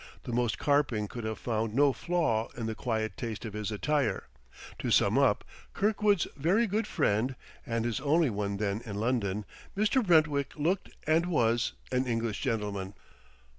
The most carping could have found no flaw in the quiet taste of his attire. To sum up, Kirkwood's very good friend and his only one then in London Mr. Brentwick looked and was an English gentleman.